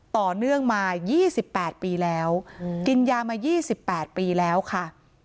ต่อเนื่องมายี่สิบแปดปีแล้วกินยามายี่สิบแปดปีแล้วค่ะ